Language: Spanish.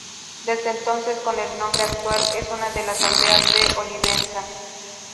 Desde entonces, con el nombre actual, es una de las aldeas de Olivenza.